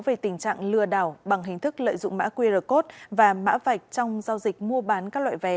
về tình trạng lừa đảo bằng hình thức lợi dụng mã qr code và mã vạch trong giao dịch mua bán các loại vé